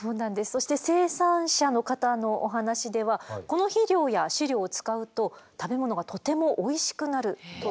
そして生産者の方のお話ではこの肥料や飼料を使うと食べ物がとてもおいしくなるということなんですね。